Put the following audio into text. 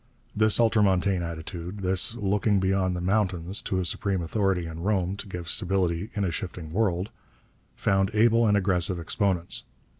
This ultramontane attitude this looking 'beyond the mountains' to a supreme authority in Rome to give stability in a shifting world found able and aggressive exponents.